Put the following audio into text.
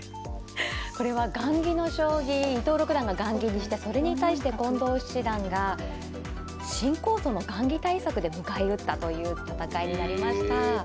これは雁木の将棋伊藤六段が雁木にしてそれに対して近藤七段が新構想の雁木対策で迎え撃ったという戦いになりました。